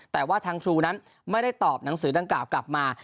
แต่ว่าทางครูนั้นไม่ได้ตอบหนังสือดังกล่าวกลับมา